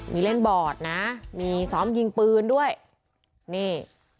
มีเล่นบอร์ดนะมีซ้อมยิงปืนด้วยนี่